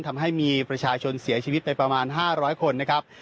ทำให้มีประชาชนเสียชีวิตไปประมาณ๕๐๐คนนะครับ